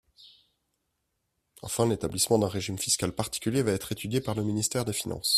Enfin, l’établissement d’un régime fiscal particulier va être étudié par le ministère des finances.